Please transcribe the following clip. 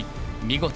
見事